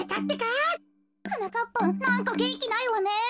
はなかっぱんなんかげんきないわね。